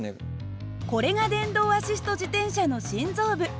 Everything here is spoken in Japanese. これが電動アシスト自転車の心臓部。